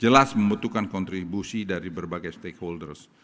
jelas membutuhkan kontribusi dari berbagai stakeholders